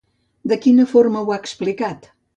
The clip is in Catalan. De quina forma ho ha explicat?